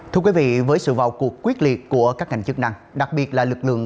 thưa quý vị với sự vào cuộc quyết liệt của các ngành chức năng đặc biệt là lực lượng